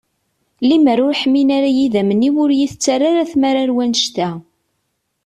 Limer ur ḥmin ara yidammen-iw ur iyi-tettarra ara tmara ɣer wanect-a.